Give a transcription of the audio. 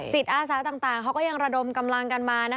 อาสาต่างเขาก็ยังระดมกำลังกันมา